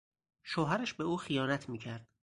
شوهرش به او خیانت میکرد.